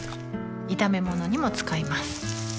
炒め物にも使います